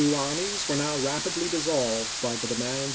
armies were now rapidly dissolved by the demands mm.